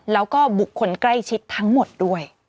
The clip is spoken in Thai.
แล้วก็บุคคลใกล้ชิดทั้งหมดด้วย